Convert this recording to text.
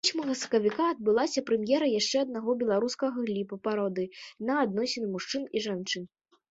Восьмага сакавіка адбылася прэм'ера яшчэ аднаго беларускага кліпа-пародыі на адносіны мужчын і жанчын.